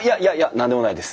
何でもないです。